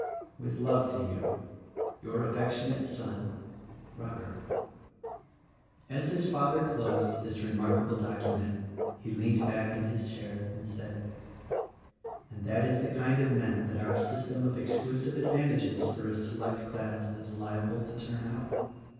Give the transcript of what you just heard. "With love to you, your affectionate son, Robert." As his father closed this remarkable document he leaned back in his chair and said, "And that is the kind of men that our system of exclusive advantages for a select class is liable to turn out.